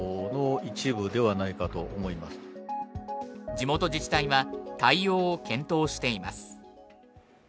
地元自治体は対応を検討しています。